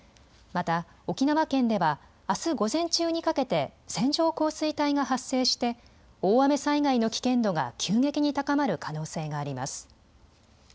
また沖縄県ではあす午前中にかけて線状降水帯が発生して大雨災害の危険度が急激に高まる可能性があります。